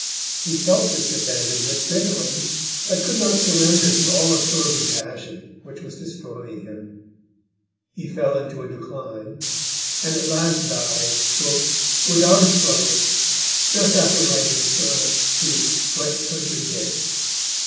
He felt this abandonment bitterly, but could not surrender the all absorbing passion which was destroying him. He fell into a decline, and at last died "without a struggle, just after writing a sonnet to West Country Dick."